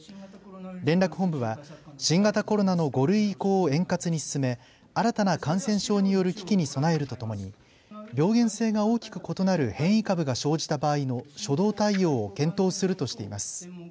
連絡本部は新型コロナの５類移行を円滑に進め新たな感染症による危機に備えるとともに病原性が大きく異なる変異株が生じた場合の初動対応を検討するとしています。